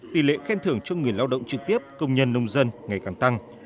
tỷ lệ khen thưởng cho người lao động trực tiếp công nhân nông dân ngày càng tăng